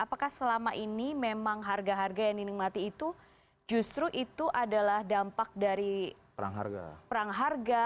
apakah selama ini memang harga harga yang dinikmati itu justru itu adalah dampak dari perang harga